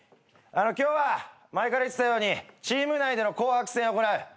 今日は前から言ってたようにチーム内での紅白戦を行う。